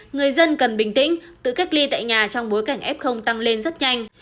người dân cần bình tĩnh tự cách ly tại nhà trong bối cảnh f tăng lên rất nhanh